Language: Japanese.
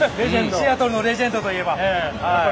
シアトルのレジェンドといえば。